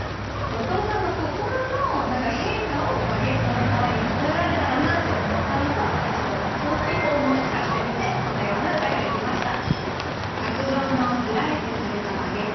後藤さんの心の変化をバゲットの皮に例えられたらなと思ったのとちょっと倒置法も使ってみてこのような歌ができました。